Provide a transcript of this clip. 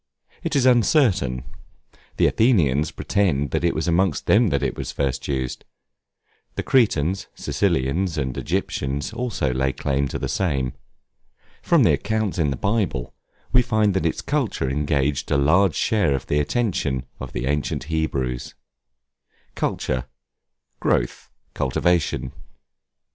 It is uncertain. The Athenians pretend that it was amongst them it was first used; the Cretans, Sicilians, and Egyptians also lay claim to the same. From the accounts in the Bible, we find that its culture engaged a large share of the attention of the ancient Hebrews. Culture, growth, cultivation.